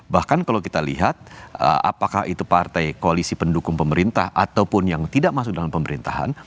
bahkan kalau kita lihat apakah itu partai koalisi pendukung pemerintah ataupun yang tidak masuk dalam pemerintahan